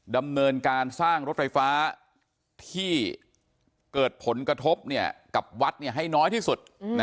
ดำเนินการสร้างรถไฟฟ้าที่เกิดผลกระทบกับวัดให้น้อยที่สุด